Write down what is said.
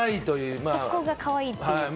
そこが可愛いというか。